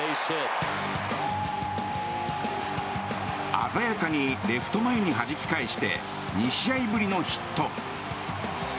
鮮やかにレフト前にはじき返して２試合ぶりのヒット。